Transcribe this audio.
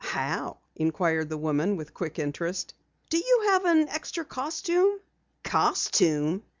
"How?" inquired the woman with quick interest. "Do you have an extra costume?" "Costume?"